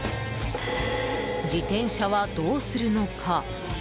自転車はどうするのか。